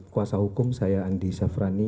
kuasa hukum saya andi safrani